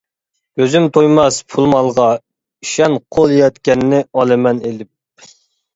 كۆزۈم تويماس پۇل-مالغا، ئىشەن، قول يەتكەننى ئالىمەن ئىلىپ.